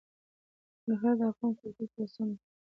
ننګرهار د افغان کلتور په داستانونو کې راځي.